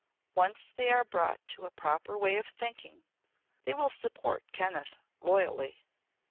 Once they are brought to a proper way of thinking they will support Kenneth loyally."